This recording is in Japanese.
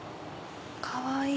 かわいい！